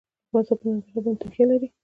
افغانستان په ننګرهار باندې تکیه لري.